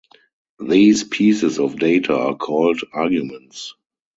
These pieces of data are called arguments.